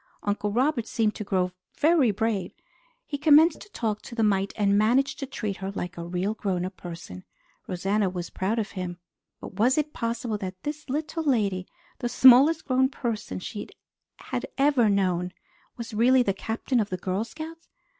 Uncle Robert seemed to grow very brave. He commenced to talk to the mite and managed to treat her like a really grown up person. Rosanna was proud of him. But was it possible that this little lady, the smallest grown person she had ever known, was really the Captain of the Girl Scouts?